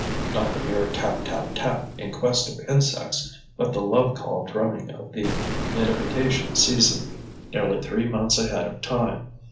Not the mere tap, tap, tap, in quest of insects, but the love call drumming of the nidification season, nearly three months ahead of time.